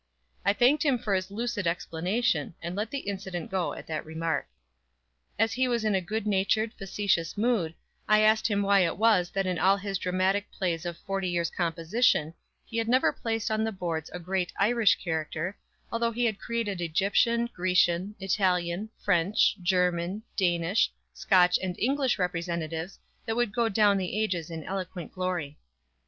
I thanked him for his lucid explanation, and let the incident go at that remark. As he was in a good natured, facetious mood, I asked him why it was that in all his dramatic plays of forty years composition he had never placed on the boards a great Irish character, although he had created Egyptian, Grecian, Italian, French, German, Danish, Scotch and English representatives that would go down the ages in eloquent glory.